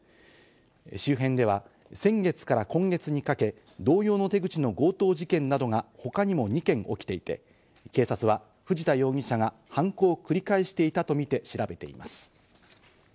周辺では先月から今月にかけ、同様の手口の強盗事件などが他にも２件起きていて、警察は藤田容疑者が犯行を繰り返していたとみて調べています。